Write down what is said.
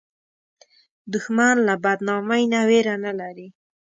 دښمن له بدنامۍ نه ویره نه لري